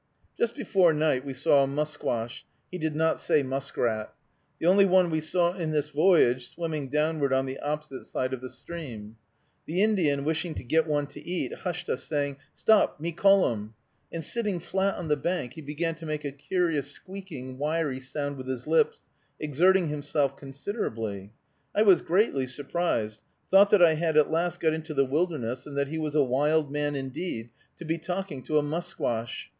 Just before night we saw a musquash (he did not say muskrat), the only one we saw in this voyage, swimming downward on the opposite side of the stream. The Indian, wishing to get one to eat, hushed us, saying, "Stop, me call 'em;" and, sitting flat on the bank, he began to make a curious squeaking, wiry sound with his lips, exerting himself considerably. I was greatly surprised, thought that I had at last got into the wilderness, and that he was a wild man indeed, to be talking to a musquash!